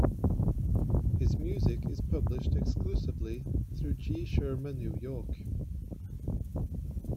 His music is published exclusively through G. Schirmer, New York.